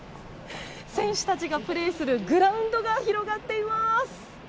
選手たちがプレーするグラウンドが広がっています。